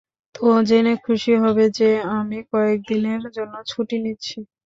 তো জেনে খুশি হবে যে, আমি কয়েকদিনের জন্য ছুটি নিচ্ছি।